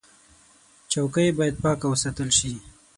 چوکۍ باید پاکه وساتل شي.